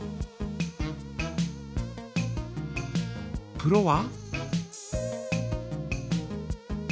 プロは？